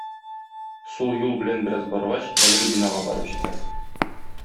Сул юл белән бераз баргач, әлеге бинага барып җитә.